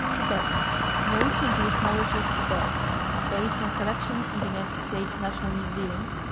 I'ihet. Notes on the Ethnology of Tibet. Based on Collections in the United States National Museum.